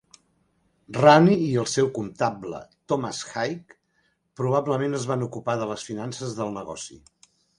Rannie i el seu comptable, Thomas Haig, probablement es van ocupar de les finances del negoci..